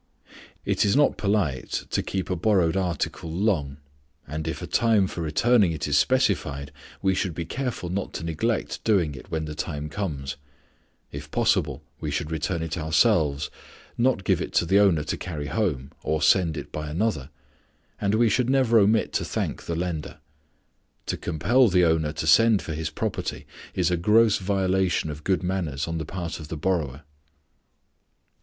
It is not polite to keep a borrowed article long; and if a time for returning it is specified, we should be careful not to neglect doing it when the time comes. If possible, we should return it ourselves, not give it to the owner to carry home or send it by another; and we should never omit to thank the lender. To compel the owner to send for his property is a gross violation of good manners on the part of the borrower.